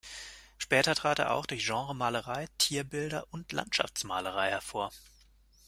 Später trat er auch durch Genremalerei, Tierbilder und Landschaftsmalerei hervor.